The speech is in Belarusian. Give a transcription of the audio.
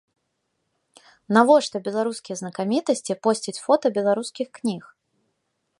Навошта беларускія знакамітасці посцяць фота беларускіх кніг?